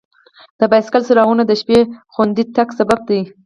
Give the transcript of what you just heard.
د بایسکل څراغونه د شپې خوندي تګ سبب دي.